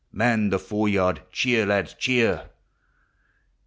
Man the fore yard, cheer, lads, cheer!